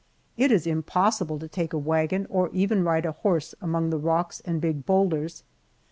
It is impossible to take a wagon, or even ride a horse among the rocks and big boulders.